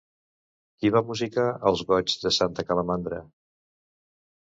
Qui va musicar els goigs de santa Calamandra?